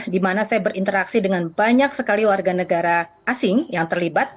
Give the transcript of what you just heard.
di mana saya berinteraksi dengan banyak sekali warga negara asing yang terlibat